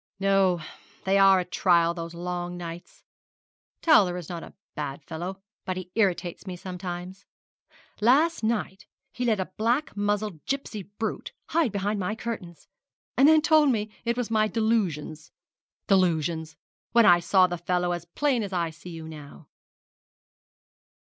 'No, they are a trial, those long nights. Towler is not a bad fellow, but he irritates me sometimes. Last night he let a black muzzled gipsy brute hide behind my curtains, and then told me it was my "delusions." Delusions! when I saw the fellow as plain as I see you now.'